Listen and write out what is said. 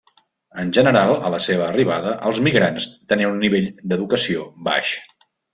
En general a la seva arribada els migrants tenien un nivell d'educació baix.